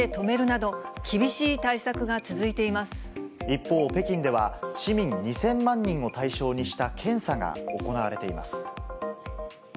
一方、北京では、市民２０００万人を対象にした検査が行われています。